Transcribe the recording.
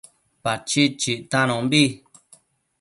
Pachid chictanombi